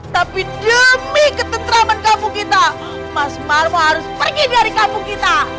tapi demi ketentraman kampung kita mas marwa harus pergi dari kampung kita